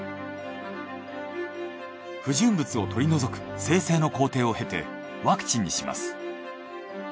不純物を取り除く精製の工程を経てワクチンにします。